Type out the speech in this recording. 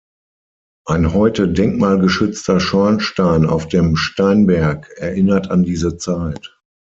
Ein heute denkmalgeschützter Schornstein auf dem Steinberg erinnert an diese Zeit.